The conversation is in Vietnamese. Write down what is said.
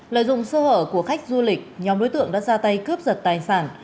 lợi dụng sơ hở của khách du lịch nhóm đối tượng đã ra tay cướp giật tài sản